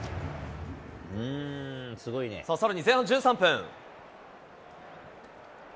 さらに前半１３分。